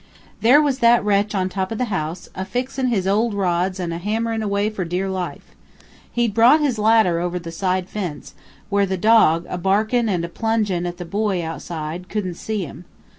"There was that wretch on top of the house, a fixin' his old rods and hammerin' away for dear life. He'd brought his ladder over the side fence, where the dog, a barkin' and plungin' at the boy outside, couldn't see him.